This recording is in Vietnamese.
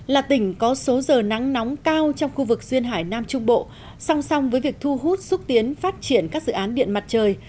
là tỉnh có số giờ nắng nóng cao trong khu vực duyên hải nam trung bộ song song với việc thu hút xúc tiến phát triển các dự án điện mặt trời